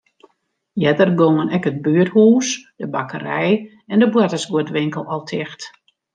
Earder gongen ek it buerthûs, de bakkerij en de boartersguodwinkel al ticht.